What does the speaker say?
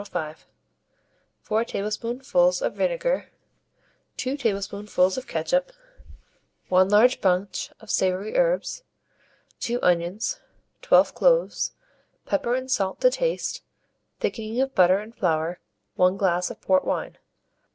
105), 4 tablespoonfuls of vinegar, 2 tablespoonfuls of ketchup, 1 large bunch of savoury herbs, 2 onions, 12 cloves, pepper and salt to taste, thickening of butter and flour, 1 glass of port wine.